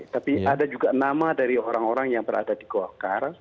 tapi ada juga nama dari orang orang yang berada di golkar